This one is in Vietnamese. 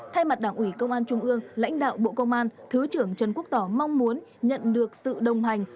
thay mặt đảng ủy công an trung ương lãnh đạo bộ công an thứ trưởng trần quốc tỏ mong muốn nhận được sự đồng hành